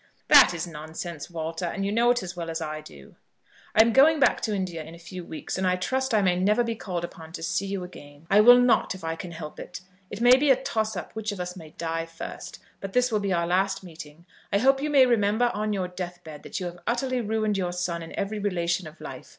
"That is nonsense, Walter, and you know it as well as I do." "I am going back to India in a few weeks, and I trust I may never be called upon to see you again. I will not, if I can help it. It may be a toss up which of us may die first, but this will be our last meeting. I hope you may remember on your death bed that you have utterly ruined your son in every relation of life.